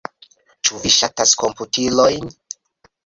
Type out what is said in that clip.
Ĉu vi ŝatas komputilojn?